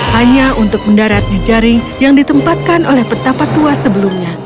hanya untuk mendarat di jaring yang ditempatkan oleh petapa tua sebelumnya